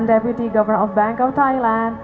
dan tuan mu pemerintah bank thailand